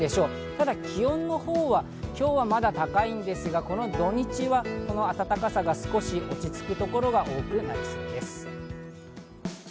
ただ気温の方は今日はまだ高いんですが、この土日はこの暖かさが少し落ち着くところが多くなりそうです。